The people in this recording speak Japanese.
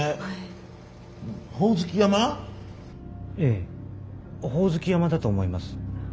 ええホオズキ山だと思います。